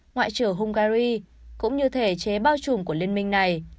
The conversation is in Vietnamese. ngoại trưởng hungary cũng như thể chế bao trùm của liên minh này